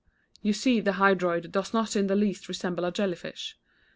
You see the hydroid does not in the least resemble a jelly fish.